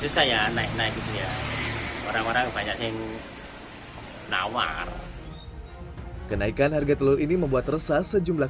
susah ya naik naik gitu ya orang orang banyak yang nawar kenaikan harga telur ini membuat resah sejumlah